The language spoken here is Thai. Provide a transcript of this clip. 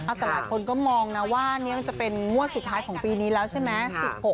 แต่หลายคนก็มองนะว่านี่มันจะเป็นงวดสุดท้ายของปีนี้แล้วใช่ไหม